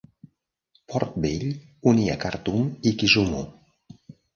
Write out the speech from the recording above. Port Bell unia Khartoum i Kisumu.